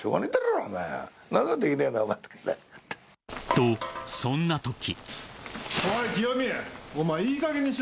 ［とそんなとき］